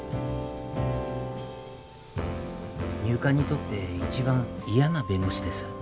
入管にとって一番嫌な弁護士です。